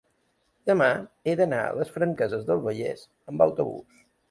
demà he d'anar a les Franqueses del Vallès amb autobús.